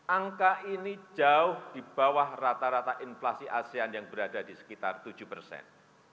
angka ini jauh di bawah rata rata inflasi asean yang berada di sekitar tujuh persen